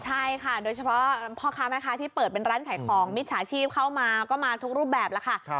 ใช่ค่ะโดยเฉพาะพ่อค้าแม่ค้าที่เปิดเป็นร้านขายของมิจฉาชีพเข้ามาก็มาทุกรูปแบบแล้วค่ะ